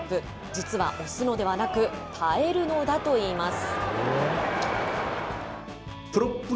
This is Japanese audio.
実は押すのではなく、耐えるのだといいます。